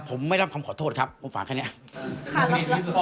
ผมไม่รับคำขอโทษครับผมฝากแค่นี้